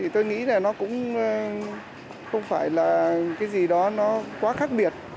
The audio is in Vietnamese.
tôi nghĩ là nó cũng không phải là cái gì đó nó quá khác biệt